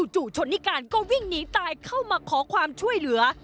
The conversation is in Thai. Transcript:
ชนนิการก็วิ่งหนีตายเข้ามาขอความช่วยเหลือ